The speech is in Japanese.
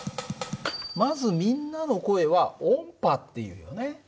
まずみんなの声は音波っていうよね。